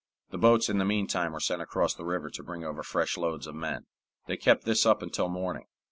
The boats in the meantime were sent across the river to bring over fresh loads of men. They kept this up until morning.